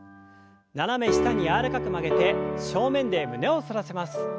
斜め下に柔らかく曲げて正面で胸を反らせます。